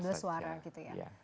mengambil suara gitu ya